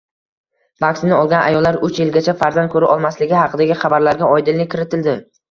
Vaksina olgan ayollar uch yilgacha farzand ko‘ra olmasligi haqidagi xabarlarga oydinlik kiritildi